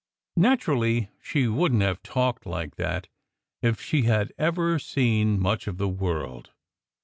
Naturally, she wouldn't have talked like that if she had ever seen much of the world.